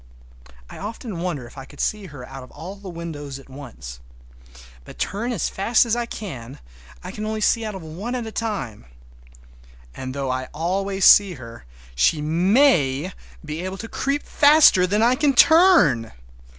I often wonder if I could see her out of all the windows at once. But, turn as fast as I can, I can only see out of one at one time. And though I always see her she may be able to creep faster than I can turn!